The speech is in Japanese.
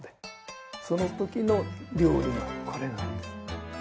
その時の料理がこれなんです。